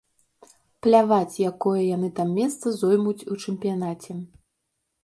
Пляваць, якое яны там месца зоймуць у чэмпіянаце.